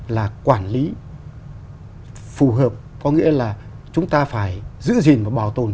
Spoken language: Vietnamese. là quản lý phù hợp có nghĩa là chúng ta phải giữ gìn và bảo tồn